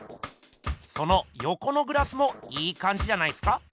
そのよこのグラスもいいかんじじゃないっすか？